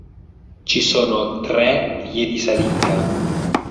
Ci sono tre vie di salita.